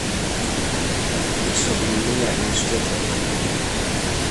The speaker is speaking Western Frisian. Ik sil dy nea yn 'e steek litte, leave.